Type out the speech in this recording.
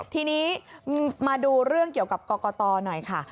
ทีนี้มาดูเรื่องเกี่ยวกับกรกตหน่อยค่ะ